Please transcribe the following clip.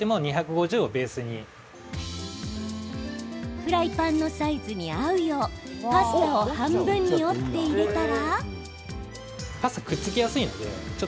フライパンのサイズに合うようパスタを半分に折って入れたら。